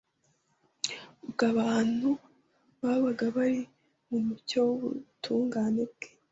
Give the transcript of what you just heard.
Ubwo abantu babaga bari mu mucyo w’ubutungane bwe